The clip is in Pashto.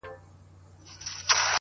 پوه انسان د پوښتنې ارزښت درک کوي،